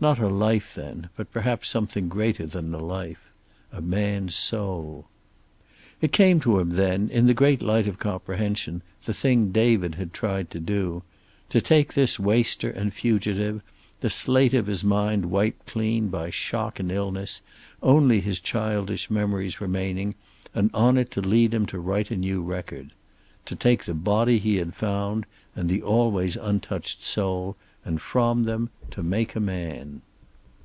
Not a life, then, but perhaps something greater than a life. A man's soul. It came to him, then, in a great light of comprehension, the thing David had tried to do; to take this waster and fugitive, the slate of his mind wiped clean by shock and illness, only his childish memories remaining, and on it to lead him to write a new record. To take the body he had found, and the always untouched soul, and from them to make a man.